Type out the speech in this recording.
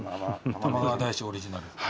玉川大師オリジナル。